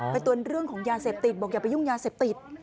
เตือนเรื่องของยาเสพติดบอกอย่าไปยุ่งยาเสพติด